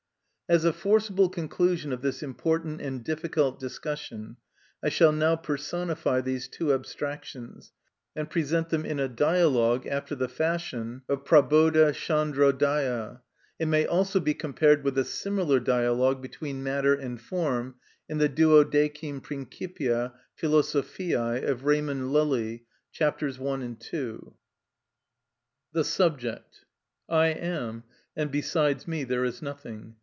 As a forcible conclusion of this important and difficult discussion I shall now personify these two abstractions, and present them in a dialogue after the fashion of Prabodha Tschandro Daya. It may also be compared with a similar dialogue between matter and form in the "Duodecim Principia Philosophiæ" of Raymund Lully, c. 1 and 2. The Subject. I am, and besides me there is nothing.